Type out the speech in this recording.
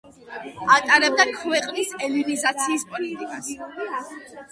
ატარებდა ქვეყნის ელინიზაციის პოლიტიკას.